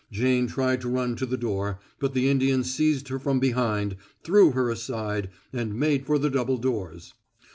Jane tried to run to the door, but the Indian seized her from behind, threw her aside, and made for the double doors.